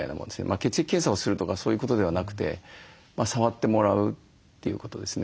血液検査をするとかそういうことではなくて触ってもらうということですね。